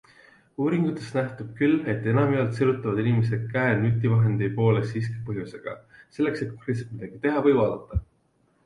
Uuringutest nähtub küll, et enamjaolt sirutavad inimesed käe nutivahendi poole siiski põhjusega, selleks et konkreetselt midagi teha või vaadata.